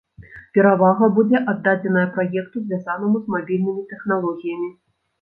Перавага будзе аддадзеная праекту, звязанаму з мабільнымі тэхналогіямі.